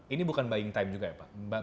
ini bukan buying time juga ya pak